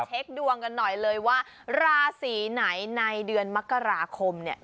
เช็คดวงกันหน่อยเลยว่าราศีไหนในเดือนมกราคมเนี่ย